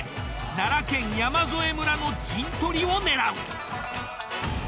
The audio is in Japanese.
奈良県山添村の陣取りを狙う。